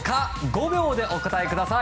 ５秒でお答えください。